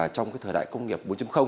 trong thời đại công nghiệp bốn